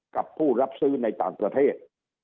กับผู้รับซื้อในต่างประเทศ